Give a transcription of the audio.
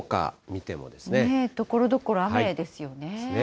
ところどころ雨ですよね。ですね。